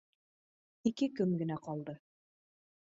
Ике көн генә ҡалды.